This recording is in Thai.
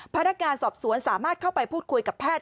พนักงานสอบสวนสามารถเข้าไปพูดคุยกับแพทย์